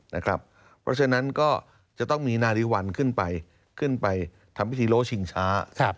เพราะฉะนั้นก็จะต้องมีนาริวัลขึ้นไปขึ้นไปทำพิธีโลชิงช้า